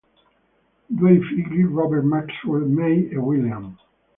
Due i figli: Robert Maxwell "May" e William.